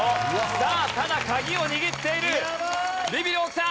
さあただ鍵を握っているビビる大木さん。